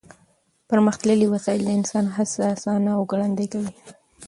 پرمختللې وسایل د انسان هڅې اسانه او ګړندۍ کوي.